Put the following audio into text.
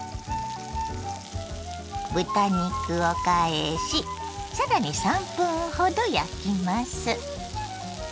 豚肉を返しさらに３分ほど焼きます。